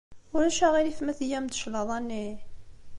Ulac aɣilif ma tgam-d cclaḍa-nni?